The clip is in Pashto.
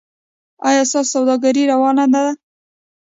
ایا ستاسو سوداګري روانه ده؟